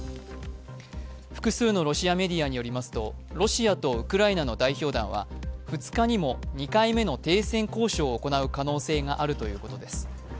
複数のロシアメディアによりますと、ロシアとウクライナの代表団は２日にも２回目の停戦交渉を行う可能性があるということです。